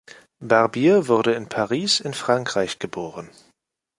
Barbier wurde in Paris in Frankreich geboren.